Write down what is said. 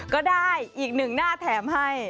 ก็ได้อีกหนึ่งหน้าแถมให้